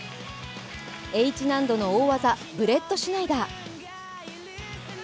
Ｈ難度の大技、ブレットシュナイダー。